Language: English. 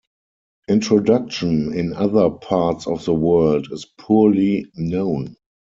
Introduction in other parts of the world is poorly known.